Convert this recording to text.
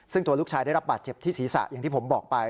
ซึ่งตัวลูกชายได้รับบาดเจ็บที่ศีรษะอย่างที่ผมบอกไป